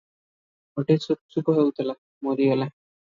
ଗୋଟିଏ ଶୁକ୍ ଶୁକ୍ ହେଉଥିଲା, ମରିଗଲା ।